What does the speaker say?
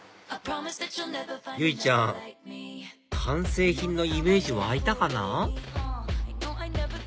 由依ちゃん完成品のイメージ湧いたかな？